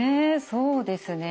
そうですねえ。